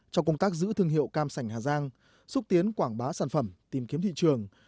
cho công tác giữ thương hiệu cam sành hà giang xúc tiến quảng bá sản phẩm tìm kiếm thị trường